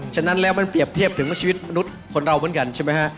ฉะนั้นแล้วมันเปรียบเทียบถึงชีวิตมนุษย์คนเราเหมือนกันใช่ไหมฮะ